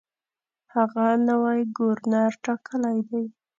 هغه نوی ګورنر ټاکلی دی.